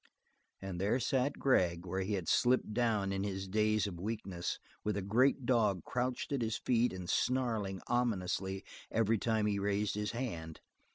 And there sat Gregg where he had slipped down in his daze of weakness with the great dog crouched at his feet and snarling ominously every time he raised his hand.